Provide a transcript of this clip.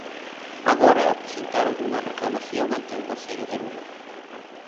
Agora presentaron unha reclamación ante o Concello de Lugo.